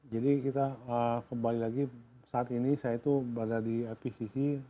jadi kita kembali lagi saat ini saya itu berada di ipcc